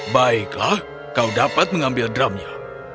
baiklah kau dapat mengambil drumnya